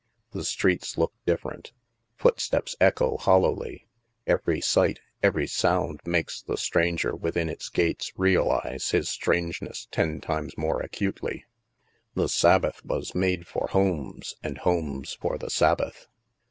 The streets look different; foot steps echo hollowly; every sight, every sound, makes the stranger within its gates realize his strangeness ten times more acutely. The Sabbath was made for homes, and homes for the Sabbath.